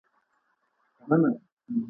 ټول خلک بايد په امن کې ژوند وکړي.